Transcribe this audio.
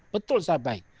betul sangat baik